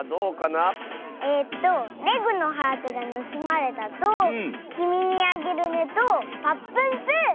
えっと「レグのハートがぬすまれた！」と「きみにあげるね」と「ぱっぷんぷぅ」！